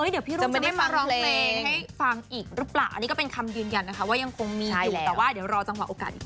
เดี๋ยวพี่รุ๊ปจะได้มาร้องเพลงให้ฟังอีกหรือเปล่าอันนี้ก็เป็นคำยืนยันนะคะว่ายังคงมีอยู่แต่ว่าเดี๋ยวรอจังหวะโอกาสอีกที